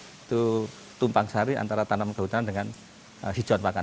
itu tumpang sari antara tanaman kehutanan dengan hijau tanaman